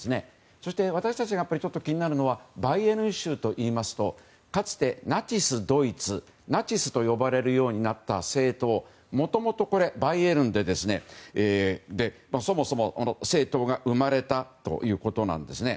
そして私たちが気になるのはバイエルン州といいますとかつて、ナチスドイツナチスと呼ばれるようになった政党もともとバイエルンでそもそも政党が生まれたということなんです。